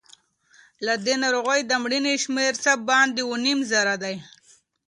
له دې ناروغۍ د مړینې شمېر څه باندې اووه نیم زره دی.